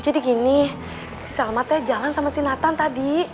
jadi gini si salma teh jalan sama si nathan tadi